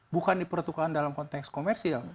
bukan dipertukan dalam konteks komersil